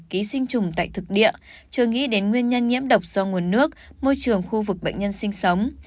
ký sinh trùng tại thực địa chưa nghĩ đến nguyên nhân nhiễm độc do nguồn nước môi trường khu vực bệnh nhân sinh sống